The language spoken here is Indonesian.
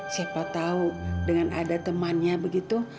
siapa tahu dengan ada temannya begitu